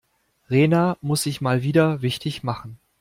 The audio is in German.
Rena muss sich mal wieder wichtig machen.